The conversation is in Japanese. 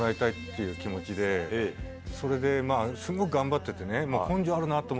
それですごい頑張っててね。